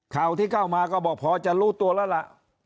ข่าวที่เข้ามาก็บอกพอจะรู้ตัวแล้วล่ะ